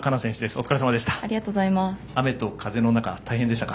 お疲れさまでした。